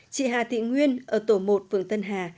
chị hà thị nguyên ở tổ một phường tân hà